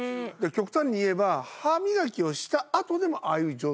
極端に言えば歯磨きをしたあとでもああいう状態だって事？